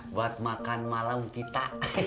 buat makan malam kita